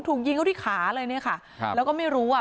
ถูกยิงเขาที่ขาเลยเนี่ยค่ะครับแล้วก็ไม่รู้อ่ะ